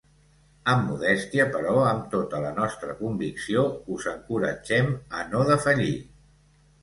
Amb modèstia però amb tota la nostra convicció, us encoratgem a no defallir.